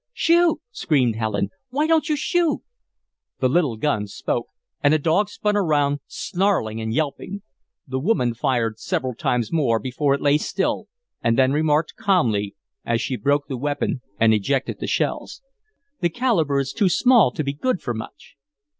"Shoot!" screamed Helen. "Why don't you shoot?" The little gun spoke, and the dog spun around, snarling and yelping. The woman fired several times more before it lay still, and then remarked, calmly, as she "broke" the weapon and ejected the shells: "The calibre is too small to be good for much."